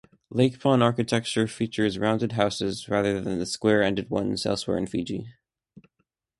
Lakeban architecture features rounded houses rather than the square-ended ones elsewhere in Fiji.